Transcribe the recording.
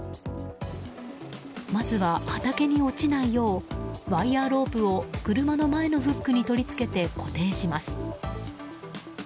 まずは、畑に落ちないようワイヤロープを車の前のフックに取り付けて固定します。